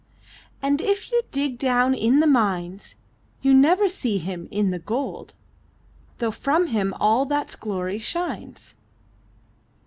And if you dig down in the mines You never see Him in the gold, Though from Him all that's glory shines.